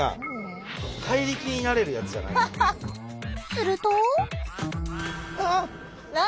すると。